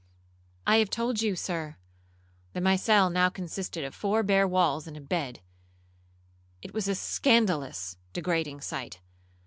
'I have told you, Sir, that my cell now consisted of four bare walls and a bed;—it was a scandalous, degrading sight.